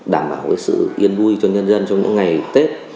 đảm bảo sự yên vui cho nhân dân trong những ngày tết